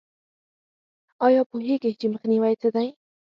ایا پوهیږئ چې مخنیوی څه دی؟